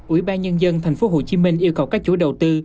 ủy ban nhân dân tp hcm yêu cầu các chủ đầu tư